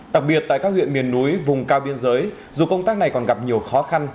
đặc biệt tại các huyện miền núi vùng cao biên giới dù công tác này còn gặp nhiều khó khăn